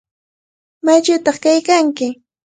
¿Maychawtaq kaykanki?